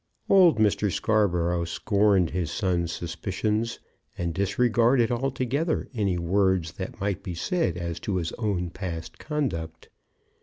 Old Mr. Scarborough scorned his son's suspicions, and disregarded altogether any words that might be said as to his own past conduct.